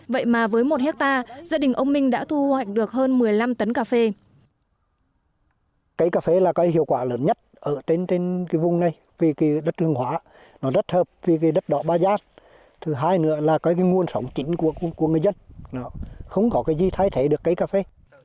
vậy mà với một hectare gia đình ông minh đã thu hoạch được hơn một mươi năm tấn cà phê